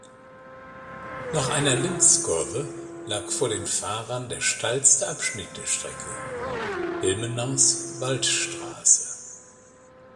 Nach einer Linkskurve lag vor den Fahrern der steilste Abschnitt der Strecke, Ilmenaus Waldstraße.